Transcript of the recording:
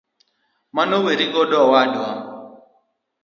Mano weri godo owadwa.